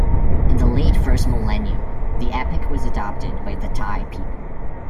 In the late first millennium, the epic was adopted by the Thai people.